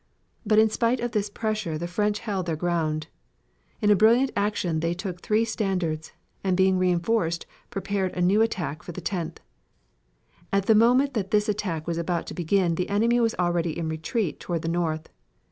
But in spite of this pressure the French held their ground. In a brilliant action they took three standards, and being reinforced prepared a new attack for the 10th. At the moment that this attack was about to begin the enemy was already in retreat toward the north.